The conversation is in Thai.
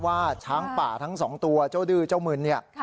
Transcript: ช้างป่าทั้งสองตัวเจ้าดื้อเจ้ามึนเนี่ย